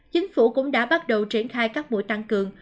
chính phủ cũng đã bắt đầu triển khai các buổi tăng cường